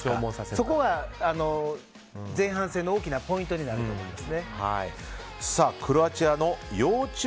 そこが前半戦の大きなポイントになると思います。